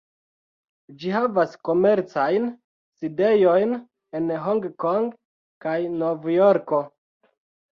Ĝi havas komercajn sidejojn en Hong-Kong kaj Novjorko.